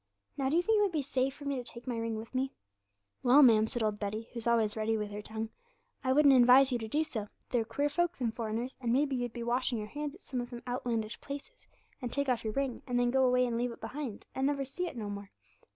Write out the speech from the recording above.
Now do you think it would be safe for me to take my ring with me?" '"Well, ma'am," said old Betty, who's always ready with her tongue, "I wouldn't advise you to do so. They're queer folk, them foreigners, and maybe you'd be washing your hands at some of them outlandish places, and take off your ring, and then go away and leave it behind, and never see it no more."